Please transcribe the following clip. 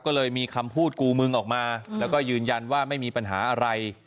ก็เลยมีคำพูดกูมึงออกมาแล้วก็ยืนยันว่าไม่มีปัญหาอะไร